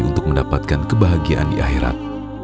untuk mendapatkan kebahagiaan di akhirat